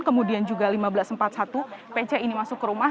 kemudian juga seribu lima ratus empat puluh satu pc ini masuk ke rumah